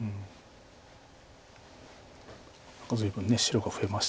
何か随分白が増えましたもんね。